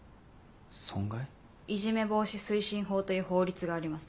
いじめ防止推進法という法律があります。